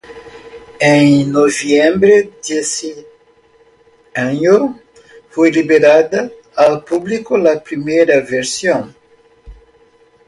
En noviembre de ese año fue liberada al público la primera versión.